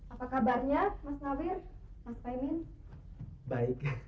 apa kabarnya mas nahir mas pak imin